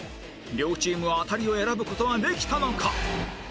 両チームはアタリを選ぶ事はできたのか？